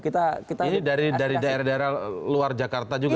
ini dari daerah daerah luar jakarta juga